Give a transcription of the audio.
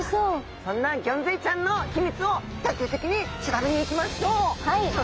そんなギョンズイちゃんの秘密を徹底的に調べに行きましょう。